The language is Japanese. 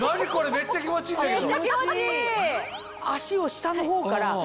めっちゃ気持ちいいんだけど。